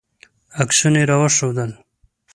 عکسونه یې راوښودل.